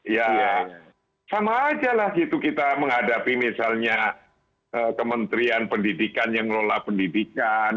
ya sama aja lah gitu kita menghadapi misalnya kementerian pendidikan yang ngelola pendidikan